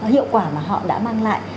hiệu quả mà họ đã mang lại